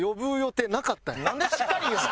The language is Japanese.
なんでしっかり言うの？